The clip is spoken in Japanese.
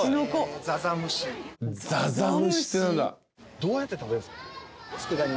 どうやって食べるんですか？